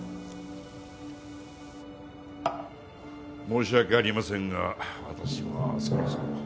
申し訳ありませんが私はそろそろ。